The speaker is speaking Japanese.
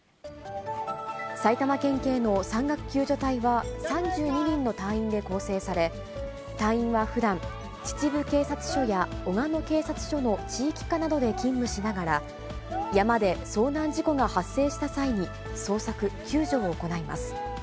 埼玉県警の山岳救助隊は、３２人の隊員で構成され、隊員はふだん、秩父警察署や、小鹿野警察署の地域課などで勤務しながら、山で遭難事故が発生した際に、捜索、救助を行います。